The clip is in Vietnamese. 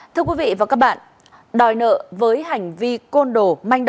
thưa quý vị và các bạn đòi nợ với hành vi côn đồ